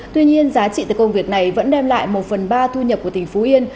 tuy nhiên giá trị từ công việc này vẫn đem lại một phần ba thu nhập của tỉnh phú yên